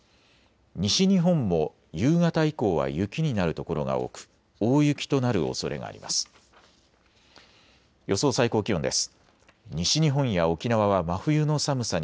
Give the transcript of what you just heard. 西日本も夕方以降は雪になる所が多く大雪となるおそれがあります。